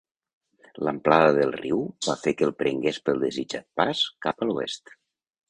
L'amplada del riu va fer que el prengués pel desitjat pas cap a l'oest.